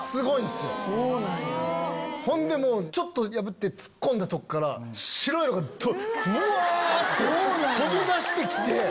ほんでもうちょっと破って突っ込んだとこから白いのがブワって飛び出してきて。